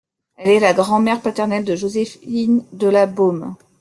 Elle est la grand-mère paternelle de Joséphine de La Baume.